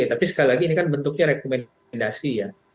tapi sekali lagi ini kan bentuknya rekomendasi ya